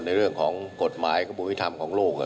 ในเรื่องของกฎหมายกระบวนวิธรรมของโลก